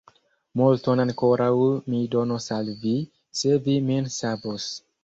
Multon ankoraŭ mi donos al vi, se vi min savos!